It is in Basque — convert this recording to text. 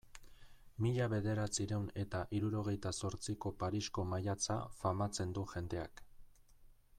Mila bederatziehun eta hirurogeita zortziko Parisko maiatza famatzen du jendeak.